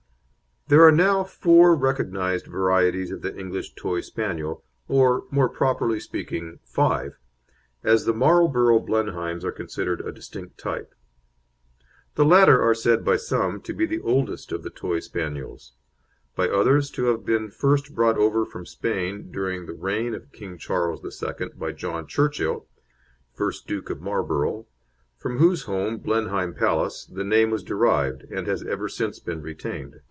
There are now four recognised varieties of the English Toy Spaniel, or, more properly speaking, five, as the Marlborough Blenheims are considered a distinct type. The latter are said by some to be the oldest of the Toy Spaniels; by others to have been first brought over from Spain during the reign of Charles II. by John Churchill, first Duke of Marlborough, from whose home, Blenheim Palace, the name was derived, and has ever since been retained.